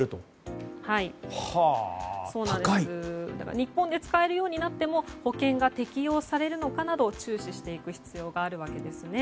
日本で使えるようになっても保険が適用されるのかなど注視していく必要があるわけですね。